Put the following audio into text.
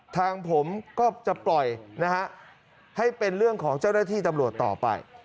ทางผมก็จะปล่อยนะฮะให้เป็นเรื่องของเจ้าหน้าที่ตำรวจต่อไป